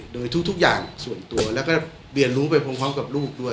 โดยทุกอย่างส่วนตัวแล้วก็เรียนรู้ไปพร้อมกับลูกด้วย